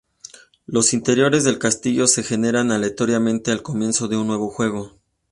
Los interiores del castillo se generan aleatoriamente al comienzo de un nuevo juego.